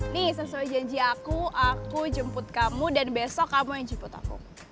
nih sesuai janji aku aku jemput kamu dan besok kamu yang jemput aku